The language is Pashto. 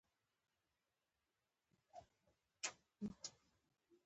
یو ویجاړ پل و، په کیسه کې یې نه شو.